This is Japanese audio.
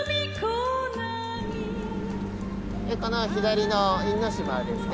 この左の因島はですね